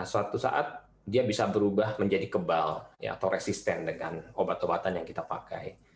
suatu saat dia bisa berubah menjadi kebal atau resisten dengan obat obatan yang kita pakai